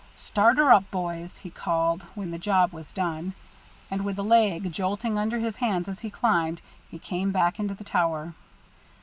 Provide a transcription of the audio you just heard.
"Start her up, boys," he called, when the job was done, and, with the leg jolting under his hands as he climbed, he came back into the tower.